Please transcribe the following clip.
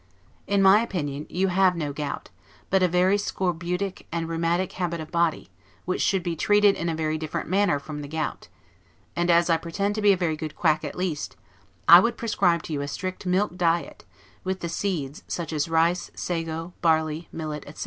In my opinion, you have no gout, but a very scorbutic and rheumatic habit of body, which should be treated in a very different manner from the gout; and, as I pretend to be a very good quack at least, I would prescribe to you a strict milk diet, with the seeds, such as rice, sago, barley, millet, etc.